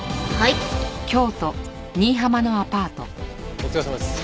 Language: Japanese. お疲れさまです。